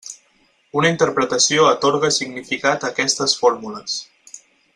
Una interpretació atorga significat a aquestes fórmules.